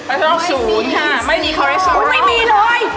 คอเลสเซอร์ล๐ค่ะไม่มีคอเลสเซอร์ลไม่มีน้อย